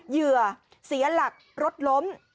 เหยื่อเสียหลักรถล้ม